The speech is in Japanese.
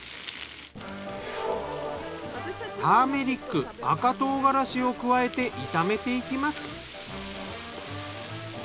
ターメリック赤唐辛子を加えて炒めていきます。